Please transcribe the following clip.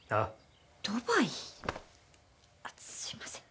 あっすいません。